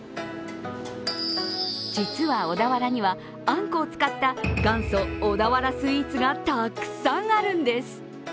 実は、小田原にはあんこを使った元祖小田原スイーツがたくさんあるんです。